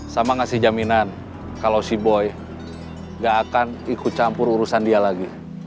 sama ngasih jaminan kalau si boy gak akan ikut campur urusan dia lagi